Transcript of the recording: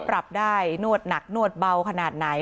ปรับได้นวดหนักนวดเบาขนาดไหน